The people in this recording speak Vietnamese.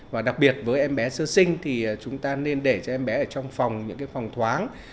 và đặc biệt với em bé sơ sinh thì chúng ta nên để cho em bé ở trong phòng những phòng thoáng